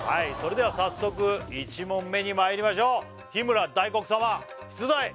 それでは早速１問目にまいりましょう日村大黒様出題